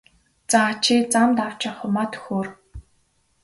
За чи замд авч явах юмаа төхөөр!